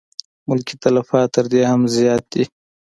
ملکي تلفات تر دې هم زیات دي.